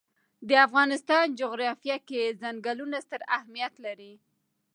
د افغانستان جغرافیه کې ځنګلونه ستر اهمیت لري.